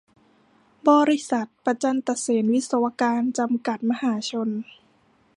บริษัท ประจันตะเสนวิศวการ จำกัด มหาชน